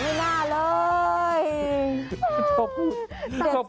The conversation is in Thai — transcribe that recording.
โอ้โหไม่น่าเลย